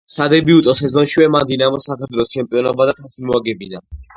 სადებიუტო სეზონშივე მან „დინამოს“ საქართველოს ჩემპიონობა და თასი მოაგებინა.